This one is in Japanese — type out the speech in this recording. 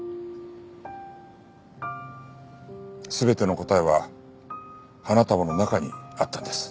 全ての答えは花束の中にあったんです。